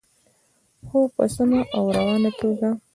خو په سمه او روانه توګه.